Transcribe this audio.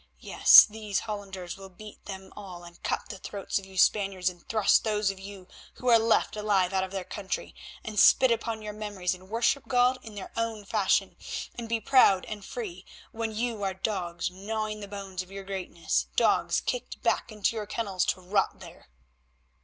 Yes, these Hollanders will beat them all and cut the throats of you Spaniards, and thrust those of you who are left alive out of their country, and spit upon your memories and worship God in their own fashion, and be proud and free, when you are dogs gnawing the bones of your greatness; dogs kicked back into your kennels to rot there.